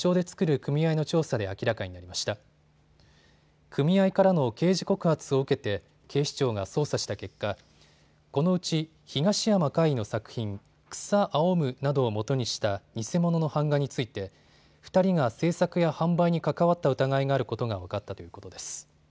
組合からの刑事告発を受けて警視庁が捜査した結果、このうち東山魁夷の作品、草青むなどをもとにした偽物の版画について２人が制作や販売に関わった疑いがあることが分かったということです。